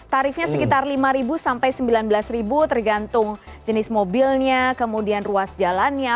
tarifnya sekitar rp lima sampai rp sembilan belas tergantung jenis mobilnya kemudian ruas jalannya